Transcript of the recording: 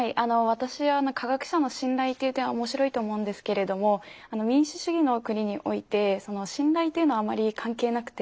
私は科学者の信頼っていう点は面白いと思うんですけれども民主主義の国において信頼っていうのはあまり関係なくて。